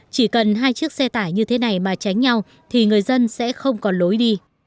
chỉ cần hai chiếc xe tải như thế này mà tránh nhau thì người dân sẽ không còn lối đi